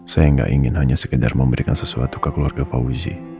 saya tidak ingin hanya sekedar memberikan sesuatu ke keluarga fauzi